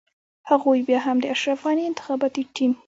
هغوی بيا هم د اشرف غني انتخاباتي ټيم.